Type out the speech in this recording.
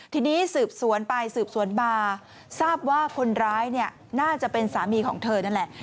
ทีนี้สืบสวนไปสืบสวนมาทราบว่าคนร้ายเนี่ยน่าจะเป็นสามีของเธอนั่นแหละ